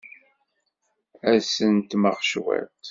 Ad sentmeɣ cwiṭ.